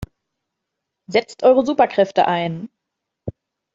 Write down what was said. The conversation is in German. Setzt eure Superkräfte ein!